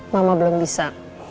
mama belum bisa